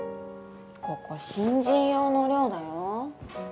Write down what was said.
ここ新人用の寮だよ。